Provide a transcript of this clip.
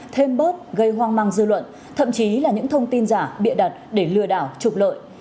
thêm bớt gây hoang mang dư luận thậm chí là những thông tin giả bịa đặt để lừa đảo trục lợi